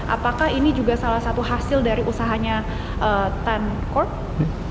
apakah ini juga salah satu hasil dari usahanya sepuluh